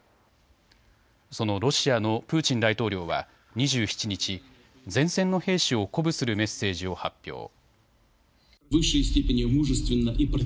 そのロシアのプーチン大統領は２７日、前線の兵士を鼓舞するメッセージを発表。